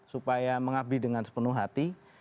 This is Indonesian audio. supaya mengabdi dengan sepenuh hati